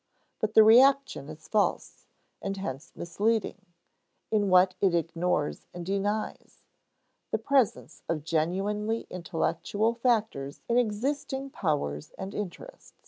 But the reaction is false, and hence misleading, in what it ignores and denies: the presence of genuinely intellectual factors in existing powers and interests.